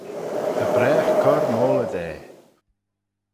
Dy bragh cur moylley da.